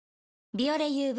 「ビオレＵＶ」